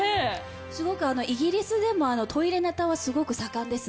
すごくイギリスでもトイレネタはすごく盛んです。